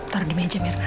taruh di meja mirna